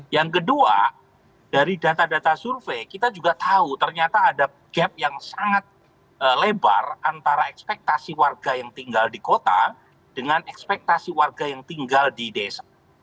yang kedua dari data data survei kita juga tahu ternyata ada gap yang sangat lebar antara ekspektasi warga yang tinggal di kota dengan ekspektasi warga yang tinggal di desa